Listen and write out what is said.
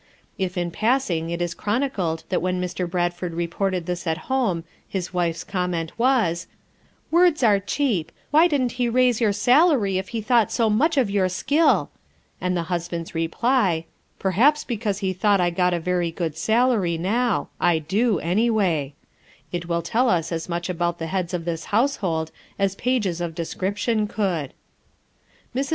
If in passing it is chronicled that when Mr. Bradford reported this at home his wife 's comment was : "Words are cheap; why didn't he raise your salary if he thought so much of your skill?" and the husband's reply: "Perhaps because he thought I got a very good salary now; I do, anyway;" it will tell as much about the heads of this household as pages of description could. Mrs.